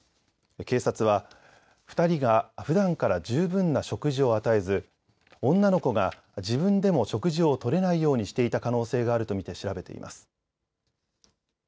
警察は２人がふだんから十分な食事を与えず女の子が自分でも食事をとれないようにしていた可能性があると見て調べています。